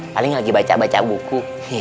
paling lagi baca baca buku